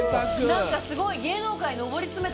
何かすごい。